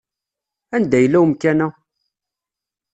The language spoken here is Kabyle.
Anda yella umkan-a?